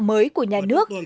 mới của nhà nước